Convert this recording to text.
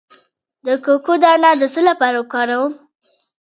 د کوکو دانه د څه لپاره وکاروم؟